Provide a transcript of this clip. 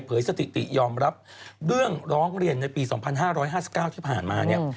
สถิติยอมรับเรื่องร้องเรียนในปี๒๕๕๙ที่ผ่านมาเนี่ย